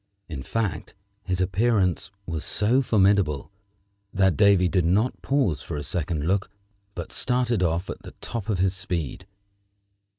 In fact, his appearance was so formidable that Davy did not pause for a second look, but started off at the top of his speed.